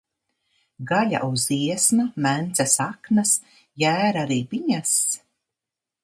Gaļa uz iesma, mencas aknas, jēra ribiņas?